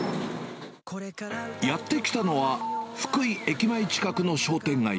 やって来たのは、福井駅前近くの商店街。